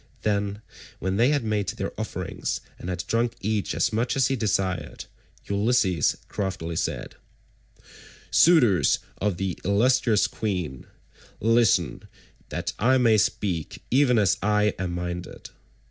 Then, when they had made their offerings and had drunk each as much as he desired, Ulysses craftily said:— "Suitors of the illustrious queen, listen that I may speak even as I am minded.